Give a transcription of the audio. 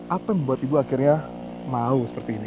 apa yang membuat ibu akhirnya mau seperti ini